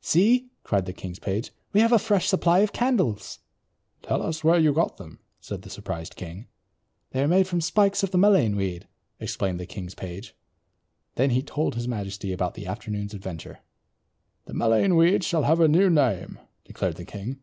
"See," cried the king's page, "we have a fresh supply of candles." "Tell us where you got them," said the surprised king. "They are made from spikes of the mullein weed," explained the king's page. Then he told his majesty about the afternoon's adventure. "The mullein weed shall have a new name," declared the king.